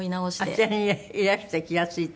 あちらにいらして気が付いた？